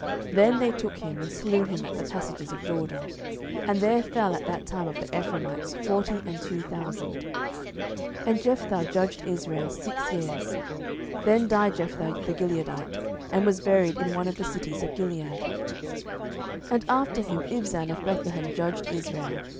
Then they took him, and slew him at the passages of Jordan: and there fell at that time of the Ephraimites forty and two thousand. 07:012:007 And Jephthah judged Israel six years. Then died Jephthah the Gileadite, and was buried in one of the cities of Gilead. 07:012:008 And after him Ibzan of Bethlehem judged Israel.